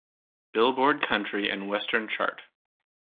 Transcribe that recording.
Billboard country and western chart.